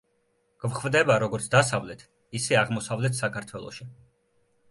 გვხვდება როგორც დასავლეთ ისე აღმოსავლთ საქართველოში.